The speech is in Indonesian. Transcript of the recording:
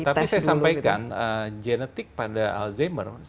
tapi saya sampaikan genetik pada alzheimer